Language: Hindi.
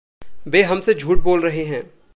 वे हम से झूठ बोल रहे हैं।